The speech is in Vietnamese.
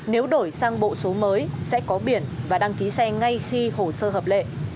nếu đổi sang bộ số mới sẽ có biển và đăng ký xe ngay khi hồ sơ hợp lệ